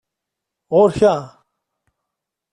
Ɣuṛ-k ha!